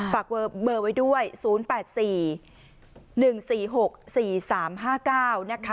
ฝากเบอร์ไว้ด้วย๐๘๔๑๔๖๔๓๕๙นะคะ